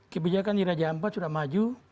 kebijakan di raja ampat sudah maju